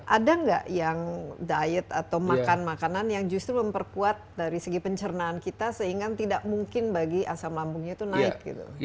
ada nggak yang diet atau makan makanan yang justru memperkuat dari segi pencernaan kita sehingga tidak mungkin bagi asam lambungnya itu naik gitu